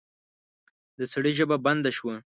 د سړي ژبه بنده شوه.